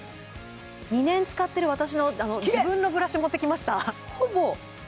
２年使ってる私の自分のブラシ持ってきました